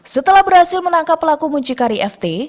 setelah berhasil menangkap pelaku muncikari ft